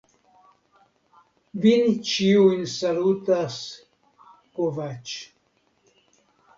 Vin ĉiujn salutas: Kovacs.